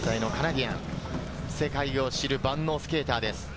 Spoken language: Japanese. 世界を知る万能スケーターです。